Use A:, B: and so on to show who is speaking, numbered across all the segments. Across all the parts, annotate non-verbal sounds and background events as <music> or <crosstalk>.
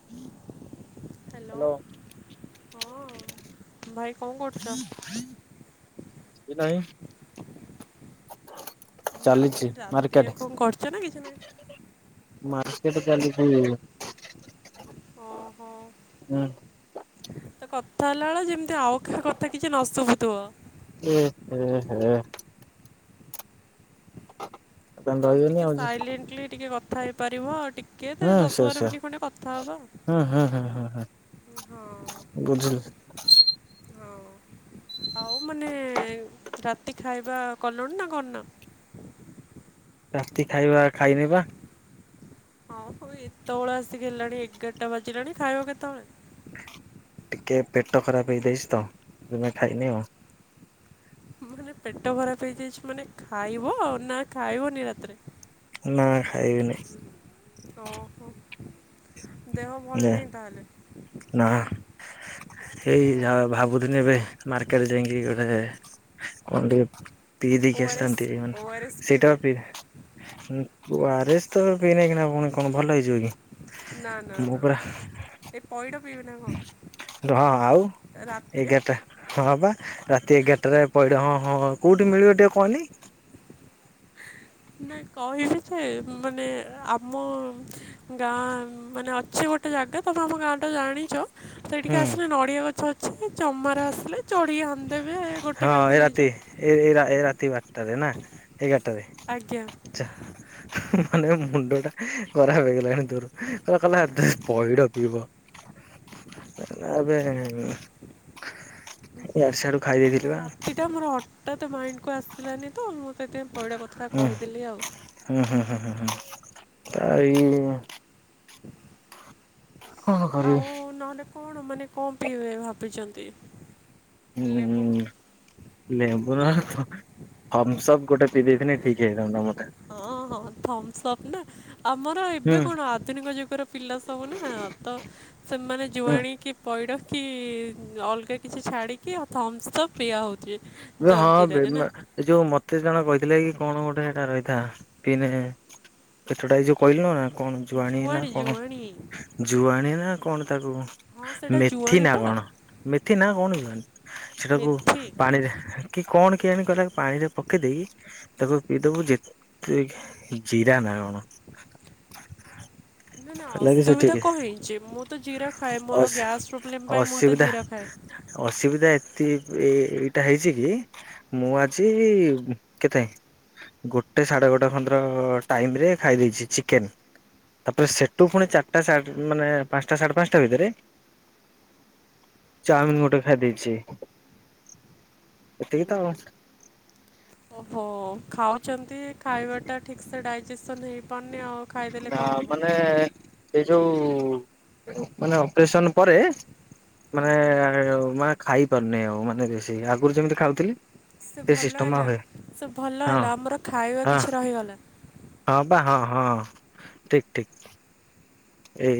A: <unintelligible> Hello,
B: hello
A: ହଁ, ଭାଇ କଣ କ
B: ସେ ନାହିଁ। ଚାଲିଛି
A: ମାନେ
B: ମାର୍କେଟ
A: ରାତିରେ କଣ କରିଚ ନା, କିଛି ନାହିଁ?
B: ମାର୍କେଟ ଚାଲିଚି ଇ।
A: ଅ ହ। ତ କଥା ହେଲାବେଳେ, ଯେମିତି ଆଉ କାହା କଥା କିଛି ନ ଶୁଭୁଥିବ?
B: ଏ ଏ ହେ। ତମେ
A: ତ,
B: ରହିବନି
A: ଟିକେ
B: ଆଉ
A: ସାଇଲେଣ୍ଟଲି ଟିକେ କଥା ହେଇପାରିବ, ଟି
B: ହୁଁ ସେ ସେ, ହୁଁ ହୁଁ ହୁଁ ହୁଁ ହୁଁ। ବୁଝିଲି।
A: ହଉ। ଆଉ ମାନେ, ରାତି ଖାଇବା କଲୁଣି ନା, କରିନୁ?
B: ରାତି ଖାଇବା ଖାଇନିପା।
A: ହଁ ହଉ, ଏତେବେଳ ଆସିକି ହେଲାଣି ଏଗାରଟା ବାଜିଲାଣି, ଖାଇବ କେତେବେଳେ?
B: ଟିକେ ପେଟ ଖରାପ ହେଇଯାଇଚି ତ, ସେଇଥିପାଇଁ ଖାଇନି ଆଉ।
A: ମାନେ ପେଟ ଖରାପ ହେଇଯାଇଚି ମାନେ, ଖାଇବ ନା ଖାଇବନି ରାତିରେ?
B: ନା ଖାଇବିନି।
A: ଓହୋ, ଦେହ ଭଲ ନାହିଁ ତାହେଲେ?
B: ନାଁ, ଏଇ
A: ଓ
B: ଭାବୁଥିନି ଏବେ ମାର୍କେଟ ଯାଇଙ୍କି ଗୋଟେ, କଣ ଟିକେ ପିଇ ଦେଇକି
A: ଆର୍ ଏସ୍
B: ଆସିଥାନ୍ତି
A: ଓ
B: ମାନେ,
A: ଆର୍ ଏସ୍
B: ସେଇଟା
A: ପିଇବେ
B: ଆଉ ପିଇ ୱାରେଶ ତ ପୀନେ ଏଇକ୍ଷିଣା ପୁଣି କଣ ଭଲ ହେଇଯିବ କି?
A: ନାଁ ନାଁ
B: ମୁଁ
A: ନାଁ,
B: ପୁରା
A: ଏ ପଇଠ ପିଇବି ନା କଣ,
B: ହଁ ଆଉ
A: ରାତିରେ
B: ଏଗାରଟା ହଁ ପା, ରାତି ଏଗାରଟାରେ ପଇଡ଼, ହଁ ହଁ, କୋଉଠି ମିଳିବ ଟିକେ କଅନି?
A: ନା କହିବି ଯେ ମାନେ ଆମ ଗାଁ ମାନେ ଅଛି ଗୋଟେ ଜାଗା ତମେ ଆମ ଗାଁ ତ ଜାଣିଚ। ସେଇଠିକି
B: ହୁଁ
A: ଆସିଲେ ନଡିଆ ଗଛ ଅଛି ଚମାର ଆସିଲେ ଚଢିକି ହାଣି ଦେବେ ଗୋ
B: ହଁ ଏ ରାତି ଏ ଏ ରା ଏ ରାତି ବାରଟାରେ ନା ଏଗାରଟାରେ
A: ଆଜ୍ଞା
B: ଚା ହୁଁହୁଁ ହୁଁ ଏ ମୁଣ୍ଡଟା ଖରାପ ହେଇଗଲାଣି ତୋର କ କଇଲା ପଇଡ ପିଇବ। ଉଁ ଉଁ ନା ବେ ଉଁ ଇଆଡୁ ସିଆଡୁ ଖାଇ ଦେଇଥି
A: ଏଇଟା ମୋର ହଟାତ୍ ମାଇଣ୍ଡକୁ ଆସିଲାନି ତ ମୁଁ ସେଇଥିପାଇଁ ପଇଡ କଥା
B: ହୁଁ
A: କହିଦେଲି ଆଉ।
B: ହୁଁ ହୁଁ ହୁଁ ହୁଁ ହୁଁ ଆ ଇଁ କଣ କରିବି?
A: ଆଉ ନହେଲେ କଣ ମାନେ କଁ ପିଇବେ ଭାବିଚନ୍ତି ଲେମ୍ବୁ
B: ହୁଁ ଲେମ୍ବୁ ନହ ଥ ଥମ୍ପସପ୍ ଗୋଟେ ପିଇ ଦେଇଥିନେ ଠିକ୍ ହେଇଥାନ୍ତା ମୋ
A: ହଁ ହଁ ଥମ୍ପସପ୍ ନା ଆମର
B: ହୁଁ
A: ଏବେ କଣ ଆଧୁନିକ ଯୁଗର ଥିଲା ସବୁ ନା ତ ସେମାନେ
B: ହୁଁ
A: ଜୁଆଣି କିି ପଇଡ କି ଉଁ ଅଲଗା କିଛି ଛାଡିକି ଅ ଥମ୍ପସପ୍ ପିଆ ହଉଚି।
B: ବେ ହଁ ବେ ନା ଏଇ ଯୋଉ ମତେ ଜଣେ କହିଥିଲେ କି କଣ ଗୋଟେ ହେଟା ରହିଥା ପିଇନେ ପେଟଟା ଏଇ ଯୋଉ କହିଲୁନୁ ନା କଣ ଜୁଆଣି ନା କଣ ଜୁଆଣି ନା କଣ ତାକୁ
A: ହଁ ସେଇଟା
B: ମେଥି
A: ଜୁଆଣି
B: ନା
A: ପା
B: କଣ ମେଥି ନା କଣ ଜୁଆଣି ସେଟାକୁ
A: ମେଥି
B: ପାଣିରେ କି କଣ କେଆଣି କହିଲା ଆକୁ ପାଣିରେ ପକେଇ ଦେଇକି ତାକୁ ପିଇଦବୁ ଯେତେ ଜିରା ନା କଣ।
A: ନା ନା
B: ହେଲା କି
A: ଅସୁବିଧା
B: ସେଠିକି
A: କଁ ହେଇଚି ମୁଁ ମୁଁ ତ ଜିର ଖାଏ ମୋର
B: ଅସ
A: ଗ୍ୟାସ୍ ପ୍ରୋବ୍ଲେମ୍ ପାଇଁ ମୁଁ ତ
B: ଅସୁବିଧା
A: ଜିରା ଖାଏ।
B: ଅସୁବିଧା ଏଥିପ୍ ଏଇ ଏଇଟା ହେଇଚି କି ମୁଁ ଆଜି ଉଁ କେତେ ଗୋଟେ ସାଢେ ଗୋଟେ ଖନ୍ଦ୍ର ଟାଇମରେ ଖାଇ ଦେଇଛି ଚିକେନେ। ତାପରେ ସେଠୁ ପୁଣି ଚାରଟା ସାଡ୍ ଉଁ ମାନେ ପାଂଶଟା ସାଡ୍ ପାଂଶଟା ଭିତେରେ ଚାଉମିିନ୍ ଗୋଟେ ଖାଇଦେଇଛି ଏତିକି ତ ଆଉ।
A: ଓହୋ ଖାଉଛନ୍ତି ଖାଇବାଟା ଠିକ୍ ସେ ଡାଇଜେସନ୍ ହେଇପାରୁନି ଆଉ। ଖାଇଦେଲେ
B: ନା
A: କଣ
B: ମାନେ
A: ହେବ
B: ଏଇ ଯୋଉ ମାନେ ଅପରେସନ୍ ପରେ ମାନେ
A: ଓହୋ
B: ମାନେ ଖାଇପାରୁନି ଆଉ ମାନେ ବେଶୀ ଆଗୁରୁ ଯେମିତି ଖାଉଥିଲି
A: ସେ ଭଲ
B: ସିଷ୍ଟମ
A: ହେଲା
B: ହୁଏ
A: ସେ ଭଲ
B: ହଁ
A: ହେଲା ଆମର ଖାଇବା
B: ହଁ
A: କିଛି ରହିଗଲା।
B: ହଁ ପା ହଁ ହଁ ଠିକ୍ ଠିକ୍। ଏ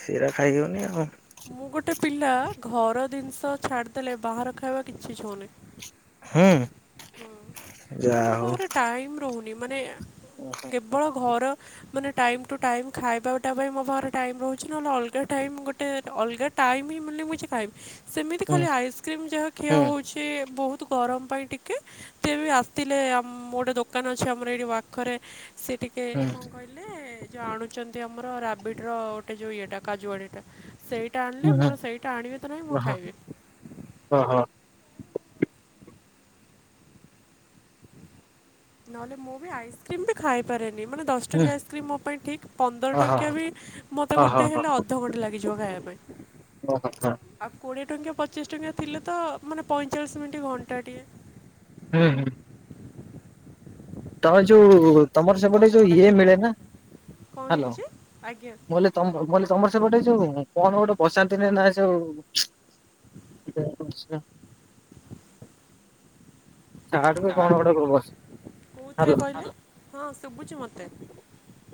B: ସେରା ଖାଇ ହଉନି ଆଉ।
A: ମୁଁ ଗୋଟେ ପିଲା ଘର ଜିନିଷ ଛାଡିଦେଲେ ବାହାର ଖାଇବା କିଛି ଛୁଉଁନି।
B: ହୁଁ
A: ହଁ
B: ଯା
A: ମାନେ ମୋ
B: ହଉ
A: ପାଖରେ ଟାଇମ୍ ରହୁନି ମାନେ କେବଳ ଘର ମାନେ ଟାଇମ୍ ଟୁ ଟାଇମ୍ ଖାଇବା ଗୋଟା ପାଇଁ ମୋ ପାଖରେ ଟାଇମ୍ ରହୁଛି ନହେଲେ ଅଲଗା ଟାଇମ୍ ଗୋ ଟେ ଅଲଗା ଟାଇମ୍ ହିଁ ମିଳୁନି ମୁଁ କିଛି ଖାଇବି ସେମିତି
B: ହୁଁ
A: ଖାଲି ଆଇସ୍କ୍ରିମ୍ ଯାହା
B: ହୁଁ
A: ଖିଆ ହଉଛି। କେ ବୋହୁତୁ ଗରମ ପାଇଁ ଟିକେ। ତିଏ ବି ରାତିଲେ ଆମ୍ ଗୋଟେ ଦୋକାନ ଅଛି ଆମର ଏଇଠି ପାଖରେ। ସିଏ ଟିକେ
B: ହୁଁ
A: କଁ କହିଲେ ଯୋଉ ଆଣୁଛନ୍ତି ଆମର ରାବିଡର ଗୋଟେ ଯୋଉ ଇଏଟା କାଜୁଆଡିଟା। ସେଇଟା ଆଣିଲେ
B: ହୁଁ
A: ମୋର ସେଇଟା ଆଣିବି ତ ନାହିଁ ମୁଁ
B: ଓହୋ
A: ଖାଇବି।
B: ଓହୋ।
A: ନହେଲେ ମୁଁ ବି ଆଇସ୍କ୍ରିମ୍ ବି ଖାଇପାରେନି ମାନେ ଦଶ
B: ହୁଁ
A: ଟଙ୍କିଆ ଆଇସ୍କ୍ରିମ୍ ମୋ ପାଇଁ ଠିକ୍ ପନ୍ଦର
B: ଓହୋ
A: ଟଙ୍କିଆ ବି ମତେ ଗୋଟେ
B: ଓହୋ
A: ହେଲେ ଅଧଘଣ୍ଟା ଲାଗିଯିବ ଖାଇବା ପାଇଁ।
B: <unintelligible>
A: ଆଉ କୋଡ଼ିଏ ଟଙ୍କିଆ, ପଚିଶ ଟଙ୍କିଆ, ଥିଲେ ତ ମାନେ ପଇଁଚାଳିଶ ମିନିଟ୍, ଘଣ୍ଟା ଟିଏ।
B: ହୁଁ। ତମେ ଯୋଉ, ତମର ସେପଟେ ଯୋଉ ଇଏ ମିଳେ ନା,
A: କ'ଣ
B: ହ୍ୟାଲୋ।
A: ହେଇଛି ଆଜ୍ଞା
B: <unintelligible> ତମର ସେ ପଟେ ଯୋଉ, କଣ ଗୋଟେ ପଚାରୁଥିଲି ଏଇନା ଯୋଉ <unintelligible>
A: ଝାଡୁ
B: <unintelligible>
A: କେଉଁଥିରେ
B: ହାଲୋ
A: କହିଲେ ହଁ ଶୁଭୁଛି ମୋତେ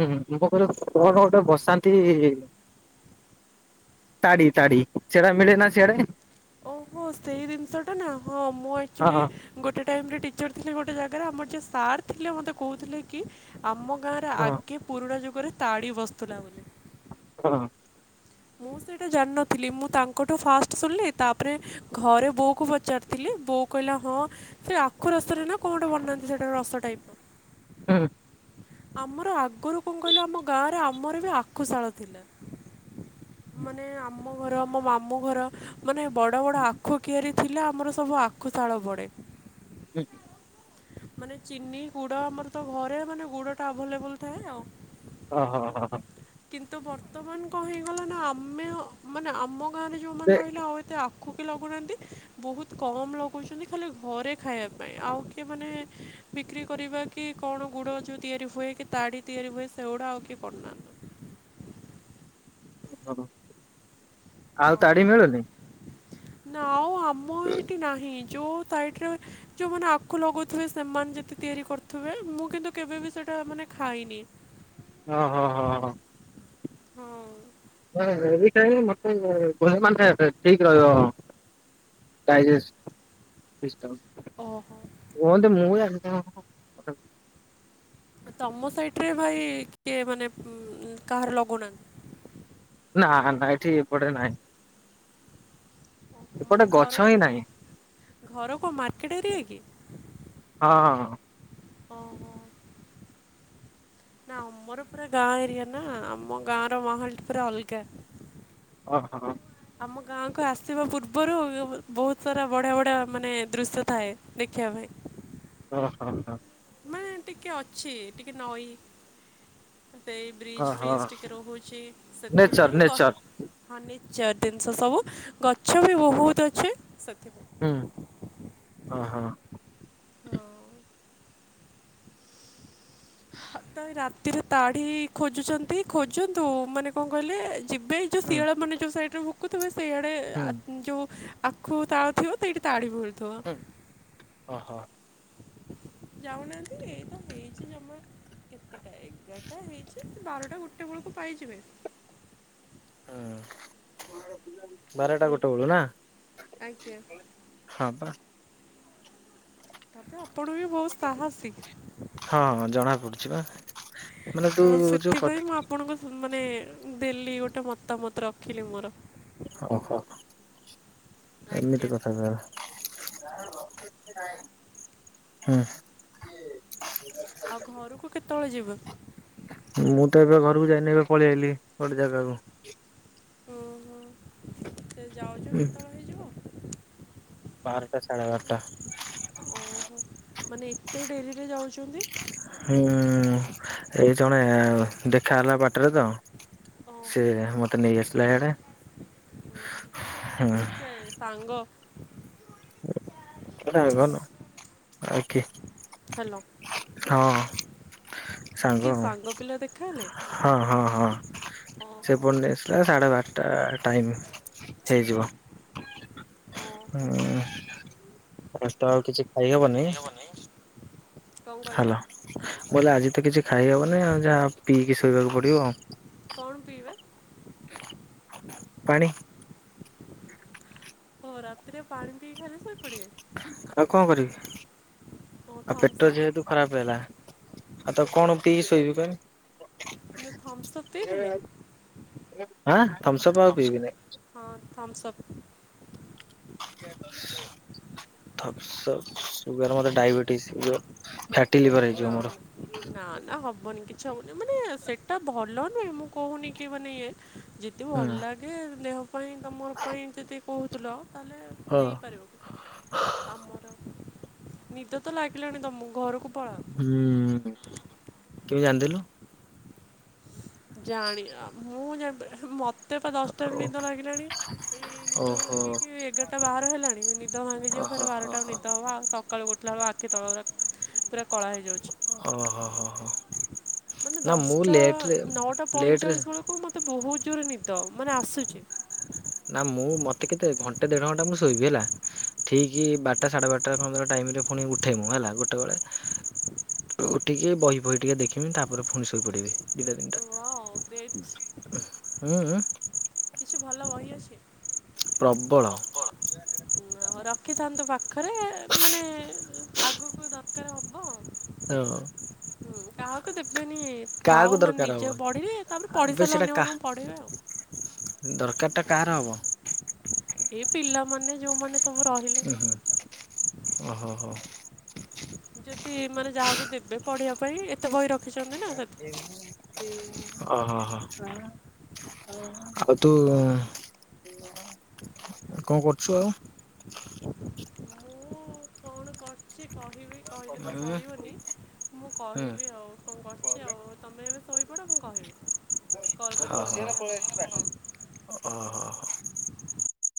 B: ହୁଁ, <unintelligible> କଣ ଗୋଟେ ବସାନ୍ତି ତାଡ଼ିି, ତାଡ଼ିି, ସେଟା ମିଳେ ନା ସିଆଡ଼େ?
A: ଓହୋ, ସେଇ ଜିନିଷଟା ନା, ହଁ ମୁଁ
B: ହଁ
A: ଆକଚୁଆଲି
B: ହଁ
A: ଗୋଟେ ଟାଇମ ରେ ଟିଚର ଥିଲେ ଗୋଟେ ଜାଗାରେ, ଆମର ଯିଏ ସାର୍ ଥିଲେ ମୋତେ କହୁଥିଲେ କି ଆମ ଗାଁ ଆଗେ ପୁରୁଣା ଯୁଗରେ ତାଡି ବସୁଥିଲା ବୋଲି।
B: ହଁ।
A: ମୁଁ ସେଇଟା ଜାଣିନଥିଲି, ମୁଁ ତାଙ୍କଠୁ ଫାଷ୍ଟ ଶୁଣିଲି ତାପରେ ଘରେ ବୋଉ କୁ ପଚାରିଥିଲି, ବୋଉ କହିଲା ହଁ ସେ ଆଖୁ ରସରେ ନା କଣ ଗୋଟେ ବନାନ୍ତି, ସେଟା ରସ ଟାଇପ।
B: ହୁଁ।
A: ଆମର ଆଗରୁ କଣ କହିଲ, ଆମ ଗାଁରେ ଆମର ବି ଆଖୁଶାଳ ଥିଲା। ମାନେ ଆମ ଘର, ମୋ ମାମୁଁ ଘର, ମାନେ ବଡ଼ ବଡ଼ ଆଖୁ କିଆରି ଥିଲା, ଆମର ସବୁ ଆଖୁଶାଳ ପଢ଼େ।
B: <unintelligible>
A: ମାନେ ଚିନି, ଗୁଡ଼, ଆମର ତ ଘରେ ମାନେ ଗୁଡ଼ଟା ଆଭେଲେବଲ ଥାଏ ଆଉ।
B: ଓହୋ ହଁ, ହଁ।
A: କିନ୍ତୁ, ବର୍ତ୍ତମାନ କଣ ହେଇଗଲା ନା ଆମେ, ମାନେ ଆମ ଗାଁରେ
B: ସେ
A: ଯୋଉମାନେ ରହିଲେ ଆଉ ଏତେ ଆଖୁ କେହି ଲଗଉନାହାନ୍ତି, ବହୁତ କମ ଲଗଉଛନ୍ତି। ଖାଲି ଘରେ ଖାଇବା ପାଇଁ। ଆଉ କିଏ ମାନେ ବିକ୍ରି କରିବା, କି କଣ ଗୁଡ଼ ଯୋଉ ତିଆରି ହୁଏ, କି ତାଡ଼ି ତିଆରି ହୁଏ, ସେଗୁଡ଼ା ଆଉ କିଏ କରୁନାହାନ୍ତି।
B: <unintelligible> ଆଉ
A: ହଁ
B: ତାଡି ମିଳୁନି
A: ନା, ଆଉ ଆମ ଏଠି ନାହିଁ, ଯୋଉ ସାଇଟ ରେ ଯୋଉଁ ମାନେ ଆଖୁ ଲଗଉଥିବେ ସେମାନେ ଯଦି ତିଆରି କରୁଥିବେ, ମୁଁ କିନ୍ତୁ କେବେ ବି ସେଇଟା ମାନେ ଖାଇନି।
B: ହଁ, ହଁ, ହଁ।
A: ହଁ।
B: ମାନେ ଏଇ ଟାଇମ ମତେ ମାନେ ଠିକ ରହିବ ଡାଇଜେଷଟ।
A: ଓହୋ
B: କୁହନ୍ତି ମୁଁ ଜାଣିନି କଣ
A: ତମ ସାଇଟରେ ଭାଇ କିଏ ମାନେ ଉଁ କାହାର ଲଗଉନାହାନ୍ତି?
B: ନା ନା ଏଠି ଏପଟରେ ନାହିଁ। ଏପଟେ
A: ମାନେ
B: ଗଛ
A: ଘରଟା
B: ହିଁ ନାହିଁ
A: ଘର କୋଉ ମାର୍କେଟ ଏରିଆ କି?
B: ହଁ।
A: ଓହୋ। ନା ଆମର ପୁରା ଗାଁ ଏରିଆ ନା ଆମ ଗାଁ ର ମାହଲ ଟି ପୁରା ଅଲଗା।
B: ଅ ହଁ।
A: ଆମ ଗାଁକୁ ଆସିବା ପୂର୍ବରୁ ଯୋଉ ବହୁତ ସାରା ବଢ଼ିଆ ବଢ଼ିଆ ମାନେ ଦୃଶ୍ୟ ଥାଏ। ଦେଖିବା ପାଇଁ।
B: ଅ ହଁ।
A: ମାନେ ଟିକେ ଅଛି ଟିକେ ନଈ ସେଇ ବ୍ରିଜ
B: ଓହୋ
A: ଫ୍ରିଜ ଟିକେ ରହୁଚି
B: ନେଚର
A: ସେଥିପାଇଁ ଗ
B: ନେଚର
A: ଫର୍ନିଚର୍ ଜିନିଷ ସବୁ ଗଛ ବି ବୋହୁତ ଅଛି ସେଥିପାଇଁ।
B: ହୁଁ ଓହୋ।
A: ହଁ। ତ ଏ ରାତିରେ ତାଢି ଖୋଜୁଛନ୍ତି ଖୋଜନ୍ତୁ ମାନେ କଣ କହିଲେ ଯିବେ ଯେଉଁ
B: ହୁଁ
A: ଶିଆଳ ମାନେ ଯେଉଁ ସାଇଡ଼ରେ ଭୁକୁଥିବେ ସେଇଆଡ଼େ
B: ହୁଁ
A: ଆତ୍ମ ଯୋଉ ଆଖୁ ତାଳ ଥିବ ସେଇଠି ତାଢ଼ି ମିଳୁଥିବ।
B: ଓ ହୋ।
A: ଯାଉନାହାନ୍ତି ଏଇ ତ ହେଇଛି ଜମା କେତେଟା ଏଗାରଟା ହେଇଚି ବାରଟା ଗୋଟେ ବେଳୁକୁ ପାଇଯିବେ।
B: ହୁଁ ବାରଟା ଗୋଟେ ବେଳୁ ନା?
A: ଆଜ୍ଞା।
B: ହଁ ପା।
A: ଆପଣ ବି ବୋହୁତ ସାହସି
B: ହଁ ହଁ ଜଣା ପଡୁଛି ବା ମାନେ ତୁ
A: ତ
B: ଯୋଉ କଥା
A: ସେଥିପାଇଁ ମୁଁ ଆପ ଆପଣଙ୍କୁ ମାନେ ଦେଲି ଗୋଟେ ମତାମତ ରଖିଲି ମୋର।
B: ଓହୋ ଏମିତି
A: ଆଜ୍ଞା
B: କଥା ତା ହୁଁ।
A: ଆଉ ଘରୁକୁ କେତେବେଳେ ଯିବେ?
B: ମୁଁ ତ ଏବେ ଘରକୁ ଯାଇନି ଏବେ ପଳେଇ ଆଇଲି ଗୋଟେ ଜାଗାକୁ।
A: ଓହୋ ସେ ଯାଉ
B: ହୁଁ।
A: ରହିଯିବ।
B: ବାରଟା ସାଢ଼େ ବାରଟା।
A: ଓହୋ ମାନେ ଏତେ ଡେରିରେ ଯାଉଛନ୍ତି?
B: ହୁଁ ଏଇ ଜଣେ ଦେଖା ହେଲା ବାଟରେ ତ। ସେ
A: ଓହୋ
B: ମତେ ନେଇ ଆସିଲା ଇଆଡେ ହୁଁ।
A: ହେ ସାଙ୍ଗ?
B: ଗୋଟେ ଆଙ୍ଗନ ଆଉ କିି।
A: ହେଲୋ।
B: ହଁ। ସାଙ୍ଗ
A: କିଏ
B: ମଁ
A: ପିଲା ଦେଖାହେଲେ?
B: ହଁ ହଁ ହଁ ସେ
A: ଓହୋ
B: ଏପଟେ ନେଇଆସ। ପ୍ରାୟ ସାଢ଼େ ବାରଟା ଟାଇମ୍ ହେଇଯିବ।
A: ଓହୋ।
B: ହୁଁ କଷ୍ଟ ଆଉ କିଛି ଖାଇ ହବନି
A: ଦେଇହବନି? କଣ କହିଲେ
B: ହେଲୋ। ମୁଁ କହିଲି ଆଜି ତ କିଛି ଖାଇହବନି ଆଉ ଯାହା ପିଇକି ଶୋଇବାକୁ ପଡିବ।
A: କଣ ପିଇବେ?
B: ପାଣି।
A: ଓ ରାତିରେ ପାଣି ପିଇ ଖାଲି ଶୋଇପଡିବେ।
B: ଆଉ କଣ କରିବି ଆଉ ପେଟ
A: ଥମ୍ସଅପ୍
B: ଯେହେତୁ ଖରାପ ହେଲା ଆଉ ତ କଣ ପିଇ ଶୋଇବି କଅନି।
A: ନା ଥମ୍ସଅପ୍ ପିଇବେନି?
B: ଆ ଥମ୍ସପ୍ ଆଉ ପଇବି ନେଇ।
A: ହଁ ଥମ୍ସଅପ୍।
B: ଥମ୍ସପ୍ ସୁଗାର ମତେ ଡାଇବେଟିସ୍ <unintelligible> ଫ୍ୟାଟି ଲିଭର ହେଇଯିବ ମୋର
A: ନନ୍। ନା ନା ହବନି କିଛି ହବନି ମାନେ ସେଟା ଭଲ ନୁହେଁ, ମୁଁ କହୁନି କି ମାନେ ଇଏ ଯଦି
B: ହୁଁ।
A: ଭଲ ଲାଗେ ଦେହ ପାଇଁ ତୋମର ପାଇଁ ଯଦି କହୁଥିଲ ତାହେଲେ
B: ହଁ
A: ନେଇପାରିବ, ଆମର ନିଦ ତ ଲାଗିଲାଣି ତୋମକୁ ଘରକୁ ପଳାଅ
B: ହୁଁ, କେମିତି ଜାଣିଥିଲୁ?
A: ଜାଣି ଆ, ମୁଁ ଜାଣିପାରେ, ମୋତେ ପା
B: ଓ
A: ଦଶଟାରୁ ନିଦ ଲାଗିଲାଣି। ଏଇ ନିଦ
B: ଓହୋ
A: ଭାଙ୍ଗିକି ଏଗାରଟା ବାହାର ହେଲାଣି, <unintelligible> ନିଦ ଭାଙ୍ଗିଯିବ
B: ଓହୋ
A: ଫେରେ
B: ହୋ
A: ବାରଟା କୁ
B: ହୋ
A: ନିଦ ହବ, ଆଉ ତୋ ସକାଳୁ ଉଠିଲା ବେଳକୁ ଆଖି ତଳ ଗୁରା ପୁରା କଳା ହେଇଯାଉଛି।
B: ଓହୋ ହୋ ହୋ।
A: ମାନେ
B: ନା ମୁଁ
A: ଦଶ ଟା
B: ଲେଟରେ
A: ନଅଟା
B: ଲେଟରେ
A: ପଇଁଚାଳିଶ ବେଳକୁ ମୋତେ ବହୁତ ଜୋରେ ନିଦ ମାନେ ଆସୁଛି।
B: ନା ମୁଁ ମୋତେ କେତେ ଘଣ୍ଟେ ଦେଢ ଘଣ୍ଟା ମୁଁ ଶୋଇବି ହେଲା, ଠିକ ବାରଟା ସାଢେ ବାରଟା ଖନ୍ତୁର ଟାଇମ୍ ରେ ପୁଣି ଉଠେ ମୁଁ ହେଲା ଗୋଟେବେଳେ। ଉଠିକି ବହି ଫହି ଟିକେ ଦେଖିମି ତାପରେ ପୁଣି ଶୋଇ ପଡିବି। ଦି ଟା ତିନି ଟା
A: ୱାଓ ଗ୍ରେଟ୍
B: ଉଁହୁଁ, ଉଁ, ଉଁ।
A: କିଛି ଭଲ ବହି ଅଛି?
B: ପ୍ରବଳ।
A: ନା ରଖିଥାନ୍ତୁ ପାଖରେ ମାନେ ଆଗକୁ ଦରକାର ହବ।
B: ଏ ଓ,।
A: ହୁଁ, କାହାକୁ ଦେବେନି।
B: କାହାକୁ
A: ଥାଉ ମାନେ
B: ଦରକାର
A: ନିଜେ
B: ହବ
A: ପଢିବେ, ତାପରେ ପଢି
B: ଆବେ
A: ସାରିଲେ
B: ସେଇଟା କା
A: ଅନ୍ୟମାନଙ୍କୁ ପଢେଇବି ଆଉ।
B: ଦରକାର ଟା କାହାର ହବ?
A: ଏଇ ପିଲାମାନେ ଯୋଉମାନେ ତୋମ ରହିଲେ।
B: ଓ ହୋ, ହୋ।
A: ଯଦି ମାନେ ଯାହାକୁ ଦେବେ ପଢ଼ିବା ପାଇଁ ଏତେ ବହି ର
B: ଓ ହୋ, ହୋ। ଆଉ ତୁ
A: ହଁ
B: କଣ କରୁଛୁ ଆଉ?
A: କରଚି କହିବି କହିଲେ
B: ଉଁ
A: ତ
B: ହୁଁ
A: ସରିବନି, ମୁଁ କହିବି ଆଉ। କଣ କରୁଛି ଆଉ, ତୋମେ ଏବେ ଶୋଇପଡ଼ ମୁଁ କହିବି, କଲ୍ କରିବି ପଛରେ
B: ଓହୋ
A: ଆଉ। <inaudible>
B: ଓହୋ।